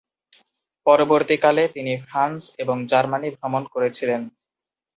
পরবর্তীকালে তিনি ফ্রান্স এবং জার্মানি ভ্রমণ করেছিলেন।